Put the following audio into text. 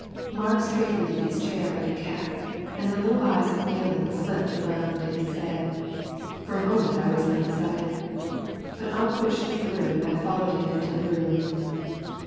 Marks straightened in his chair like a cat, and the little eyes of Malan slipped around in his head. For a moment, I was undecided, but Ump pushed through and I followed him into the room.